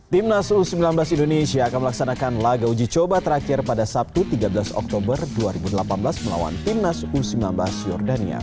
timnas u sembilan belas indonesia akan melaksanakan laga uji coba terakhir pada sabtu tiga belas oktober dua ribu delapan belas melawan timnas u sembilan belas jordania